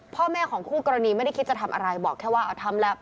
พ่อแม่ของคู่กรณีไม่ได้คิดจะทำอะไรบอกแค่ว่าเอาทำแล้ว